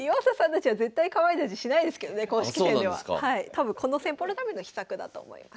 多分この戦法のための秘策だと思います。